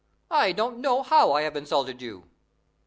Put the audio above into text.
I don't know how I have insulted you."